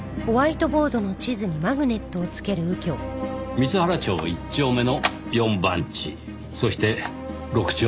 光原町１丁目の４番地そして６丁目の９番地。